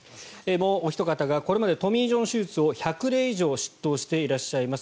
もうおひと方がこれまでトミー・ジョン手術を１００例以上執刀していらっしゃいます